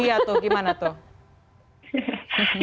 iya tuh gimana tuh